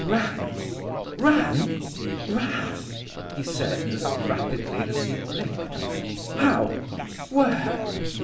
"Ran? ran? ran?" he said as rapidly as he blinked. "How? where?